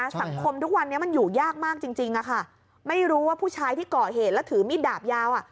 สังคมทุกวันนี้มันอยู่ยากมากจริงจริงอะค่ะไม่รู้ว่าผู้ชายที่เกาะเหตุแล้วถือมีดดาบยาวอ่ะ